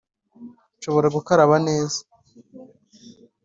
nshobora gukaraba neza